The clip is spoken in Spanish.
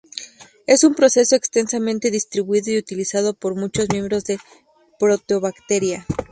Es un proceso extensamente distribuido y utilizado por muchos miembros de Proteobacteria.